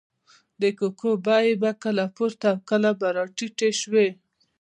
د کوکو بیې به کله پورته او کله به راټیټې شوې.